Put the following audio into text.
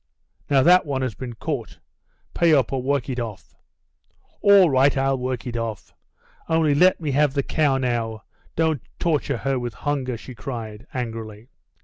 "Now that one has been caught, pay up or work it off." "All right, I'll work it off; only let me have the cow now, don't torture her with hunger," she cried, angrily.